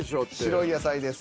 「白い野菜」です。